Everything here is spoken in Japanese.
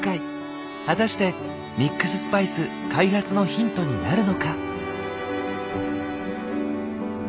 果たしてミックススパイス開発のヒントになるのか？